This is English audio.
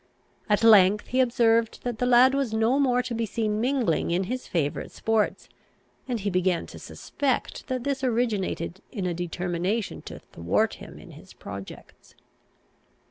At length he observed that the lad was no more to be seen mingling in his favourite sports, and he began to suspect that this originated in a determination to thwart him in his projects.